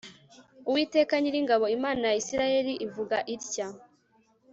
uwiteka nyiringabo imana ya isirayeli ivuga itya